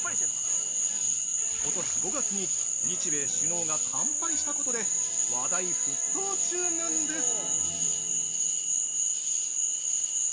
ことし５月に日米首脳が乾杯したことで話題沸騰中なんです。